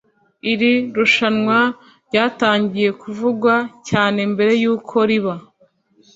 Iri rushanwa ryatangiye kuvugwa cyane mbere y’uko riba